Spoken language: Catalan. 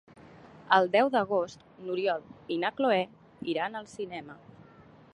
El deu d'agost n'Oriol i na Cloè iran al cinema.